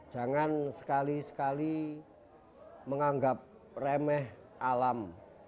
jangan sekali sekali menganggap remeh alam